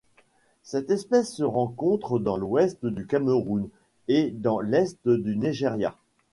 Cette espèce se rencontre dans l'Ouest du Cameroun et dans l'Est du Nigeria.